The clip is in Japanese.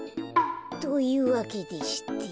というわけでして。